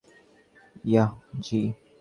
Yeah, জি।